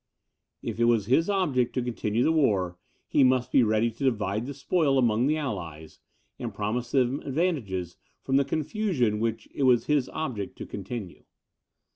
If it was his object to continue the war, he must be ready to divide the spoil among the allies, and promise them advantages from the confusion which it was his object to continue.